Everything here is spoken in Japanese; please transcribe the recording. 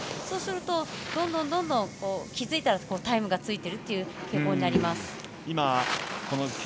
そうするとどんどん気付いたらタイムがついている傾向になります。